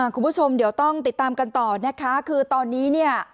คุณผู้ชมเดี๋ยวต้องติดตามกันต่อนะคะคือตอนนี้เนี่ย